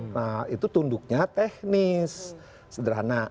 nah itu tunduknya teknis sederhana